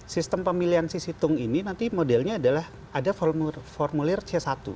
sistem pemilihan sisitung ini nanti modelnya adalah ada formulir c satu